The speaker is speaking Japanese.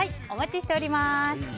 お待ちしております。